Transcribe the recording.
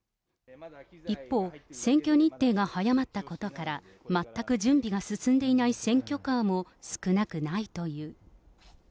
一方、選挙日程が早まったことから、全く準備が進んでいない選挙カーも少なくないという。